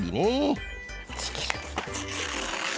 ちぎる。